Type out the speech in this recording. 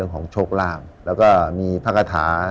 ของโชคล่างแล้วก็มีพักฐา